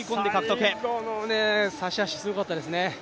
最後の差し足、すごかったですね。